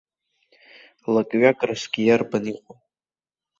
Лакҩакрасгьы иарбан иҟоу!